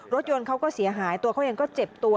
รถยนต์เขาก็เสียหายตัวเขาเองก็เจ็บตัว